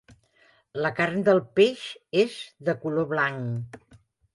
La carn del peix és de color blanc.